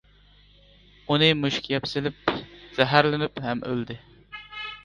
ئۇنى مۈشۈك يەپ سېلىپ، زەھەرلىنىپ ھەم ئۆلدى.